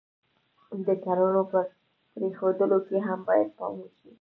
د کړنو په پرېښودلو کې هم باید پام وشي.